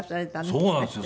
そうなんですよ。